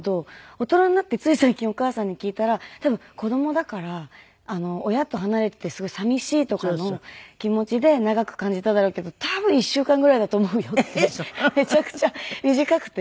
大人になってつい最近お母さんに聞いたら多分子供だから親と離れてすごい寂しいとかの気持ちで長く感じただろうけど「多分１週間ぐらいだと思うよ」ってめちゃくちゃ短くて。